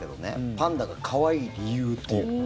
パンダが可愛い理由っていう。